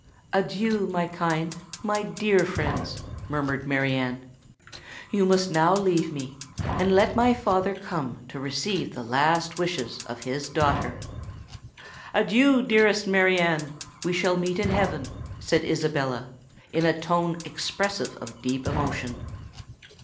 "Adieu, my kind—my dear friends," murmured Mary Anne. "You must now leave me; and let my father come to receive the last wishes of his daughter." "Adieu, dearest Mary Anne: we shall meet in heaven!" said Isabella, in a tone expressive of deep emotion.